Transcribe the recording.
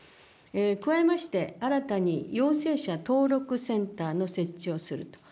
加えまして、新たに陽性者登録センターの設置をすると。